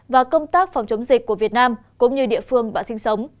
và công tác phòng chống dịch của việt nam cũng như địa phương bạn sinh sống